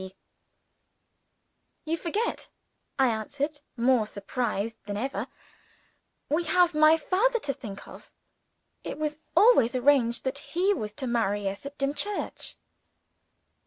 P.] "You forget," I answered, more surprised than ever; "we have my father to think of. It was always arranged that he was to marry us at Dimchurch."